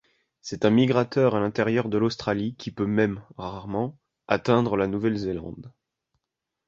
C'est un migrateur à l'intérieur de l'Australie qui peut même, rarement, atteindre la Nouvelle-Zélande.